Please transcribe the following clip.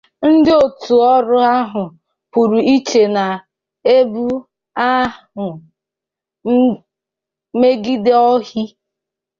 ndị òtù ọrụ ahụ pụrụ iche ná-ebu agha megide ohi